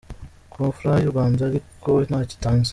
Coup franc y’u Rwanda ariko ntacyo itanze.